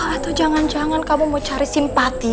itu jangan jangan kamu mau cari simpati